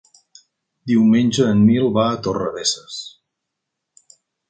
Diumenge en Nil va a Torrebesses.